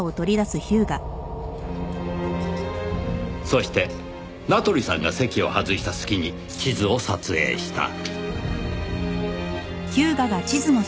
そして名取さんが席を外した隙に地図を撮影した。